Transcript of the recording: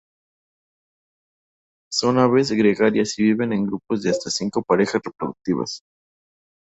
Son aves gregarias y viven en grupos de hasta cinco parejas reproductivas.